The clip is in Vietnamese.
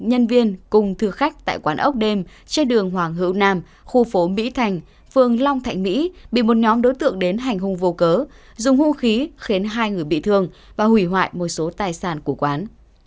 nhân viên cùng thư khách tại quán ốc đêm trên đường hoàng hữu nam khu phố mỹ thành phường long thạnh mỹ bị một nhóm đối tượng đến hành hung vô cớ dùng hung khí khiến hai người bị thương và hủy hoại một số tài sản của quán